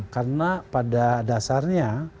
karena pada dasarnya